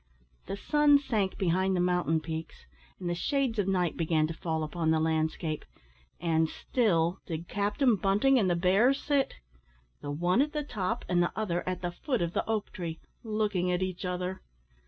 The sun sank behind the mountain peaks, and the shades of night began to fall upon the landscape, and still did Captain Bunting and the bear sit the one at the top, and the other at the foot of the oak tree looking at each other.